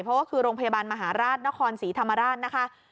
เพราะว่าคือโรงพยาบาลมหาราชนครศรีธรรมราชนะคะ